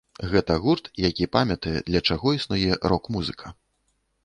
Гэта гурт, які памятае, для чаго існуе рок-музыка.